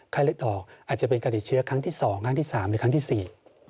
เลือดออกอาจจะเป็นการติดเชื้อครั้งที่สองครั้งที่สามหรือครั้งที่สี่